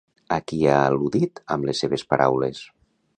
A qui ha al·ludit amb les seves paraules?